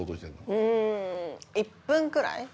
うん１分くらい？